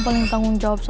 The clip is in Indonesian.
waktunya gue caps